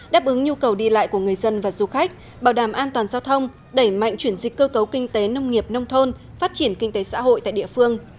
đáp ứng nhu cầu đi lại của người dân và du khách bảo đảm an toàn giao thông đẩy mạnh chuyển dịch cơ cấu kinh tế nông nghiệp nông thôn phát triển kinh tế xã hội tại địa phương